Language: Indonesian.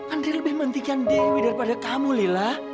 andre lebih mentingkan dewi daripada kamu lila